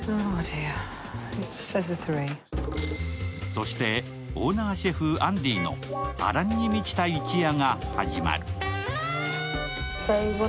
そしてオーナーシェフ、アンディの波乱に満ちた一夜が始まる。